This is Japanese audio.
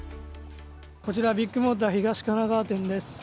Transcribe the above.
こちらビッグモーター東神奈川店です。